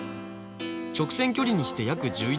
直線距離にして約１１キロ。